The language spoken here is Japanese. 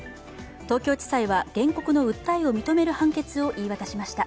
東京地裁は、原告の訴えを認める判決を言い渡しました。